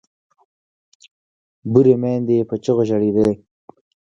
بورې میندې یې په چیغو ژړېدلې